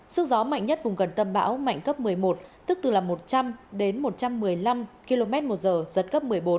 sức gió mạnh nhất vùng gần tâm bão mạnh cấp một mươi một tức từ một trăm linh đến một trăm một mươi năm km một giờ giật cấp một mươi bốn